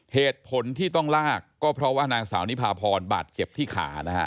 เหตุผลที่ต้องลากก็เพราะว่านางสาวนิพาพรบาดเจ็บที่ขานะฮะ